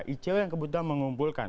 icw yang kebetulan mengumpulkan